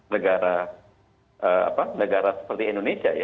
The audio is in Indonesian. negara seperti indonesia